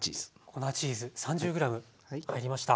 粉チーズ３０ｇ入りました。